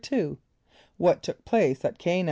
= What took place at C[=a]´n[.